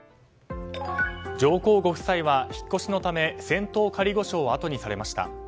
上皇ご夫妻は引っ越しのため仙洞仮御所をあとにされました。